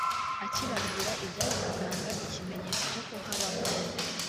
akibabwira ibyari kuranga ikimenyetso cyo kuhaba kwe